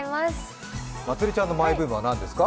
まつりちゃんのマイブームは何ですか？